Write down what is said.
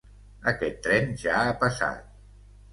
Aquest tren ja ha passat.